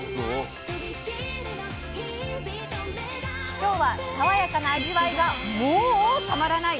今日は爽やかな味わいがモたまらない！